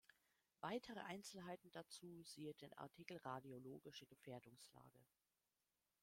Weitere Einzelheiten dazu siehe den Artikel Radiologische Gefährdungslage.